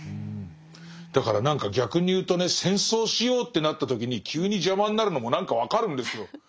だから何か逆にいうとね戦争しようってなった時に急に邪魔になるのも何か分かるんですよ。